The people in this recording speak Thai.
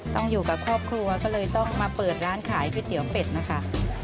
อยู่กับครอบครัวก็เลยต้องมาเปิดร้านขายก๋วยเตี๋ยวเป็ดนะคะ